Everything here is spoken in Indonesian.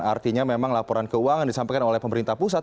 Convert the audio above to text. artinya memang laporan keuangan disampaikan oleh pemerintah pusat